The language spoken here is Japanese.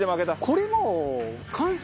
これもう。